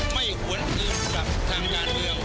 ไม่หวนอื่นกับทางงานเดียว